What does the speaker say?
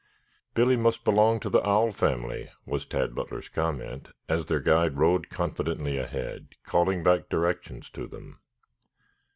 "Billy must belong to the owl family," was Tad Butler's comment as their guide rode confidently ahead, calling back directions to them.